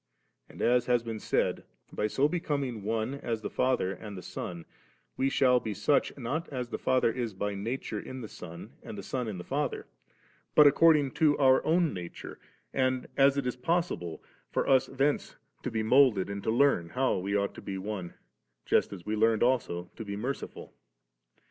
And, as has been said, by so becoming one, as the Father and the Son, we shall be such, not as the Father is by nature in the Son and the Son in the Father, but according to our own nature, and as it is possible for us thence to be moulded and to learn how we ought to be one, just as we learned also to be merciful.